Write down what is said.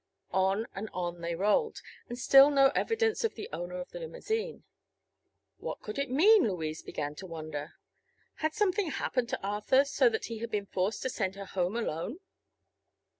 On and on they rolled, and still no evidence of the owner of the limousine. What could it mean, Louise began to wonder. Had something happened to Arthur, so that he had been forced to send her home alone?